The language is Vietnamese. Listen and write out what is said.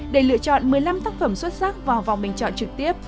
để lựa chọn một mươi năm tác phẩm xuất sắc vào vòng bình chọn trực tiếp